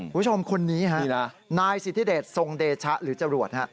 คุณผู้ชมคนนี้ฮะนายสิทธิเดชทรงเดชะหรือจรวดฮะ